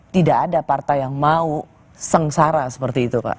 tidak ada partai yang mau sengsara seperti itu pak